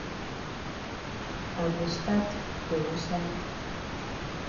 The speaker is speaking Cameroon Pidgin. I go stat for wusaid?